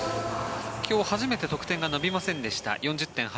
今日初めて得点が伸びませんでした